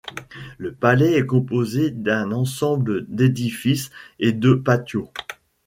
Le palais est composé d'un ensemble d'édifices et de patios.